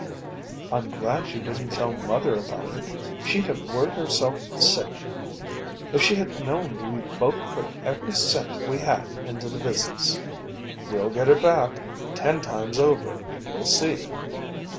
"I'm glad you didn't tell Mother about it. She'd have worried herself sick. If she had known we both put every cent we had into the business " "We'll get it back ten times over. You'll see."